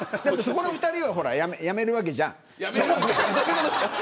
そこの２人は辞めるわけじゃん。